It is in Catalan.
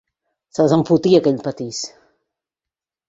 Se'ls en fotia, que ell patís!